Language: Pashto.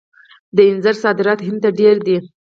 د انځرو صادرات هند ته ډیر دي.